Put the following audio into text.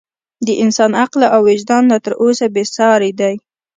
د انسان عقل او وجدان لا تر اوسه بې ساري دی.